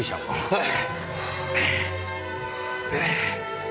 はい！